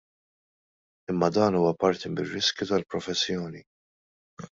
Imma dan huwa parti mir-riskju tal-professjoni!